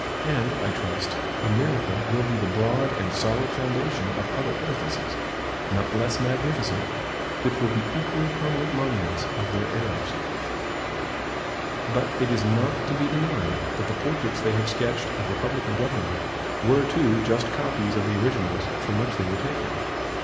And, I trust, America will be the broad and solid foundation of other edifices, not less magnificent, which will be equally permanent monuments of their errors. But it is not to be denied that the portraits they have sketched of republican government were too just copies of the originals from which they were taken.